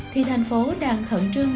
thì thành phố đang khẩn trương